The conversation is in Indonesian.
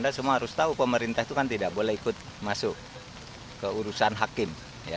dan anda semua harus tahu pemerintah itu kan tidak boleh ikut masuk ke urusan hakim